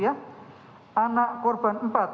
anak korban lima